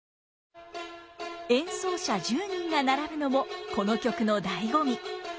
演奏者１０人が並ぶのもこの曲の醍醐味。